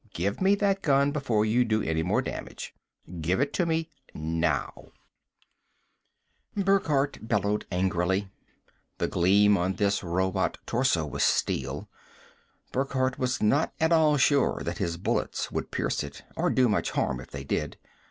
Give me that gun before you do any more damage. Give it to me now." Burckhardt bellowed angrily. The gleam on this robot torso was steel; Burckhardt was not at all sure that his bullets would pierce it, or do much harm if they did.